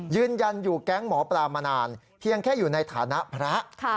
ยืนยันอยู่แก๊งหมอปลามานานเพียงแค่อยู่ในฐานะพระ